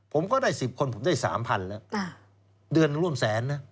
ผมก็ได้สิบคนผมได้สามพันละเดือนร่วมแสนนะ